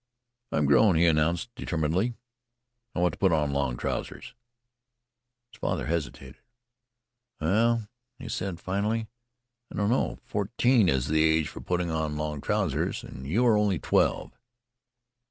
"I am grown," he announced determinedly. "I want to put on long trousers." His father hesitated. "Well," he said finally, "I don't know. Fourteen is the age for putting on long trousers and you are only twelve."